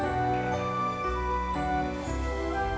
dia bisa jauh lebih baik